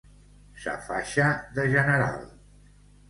Sa faixa de general.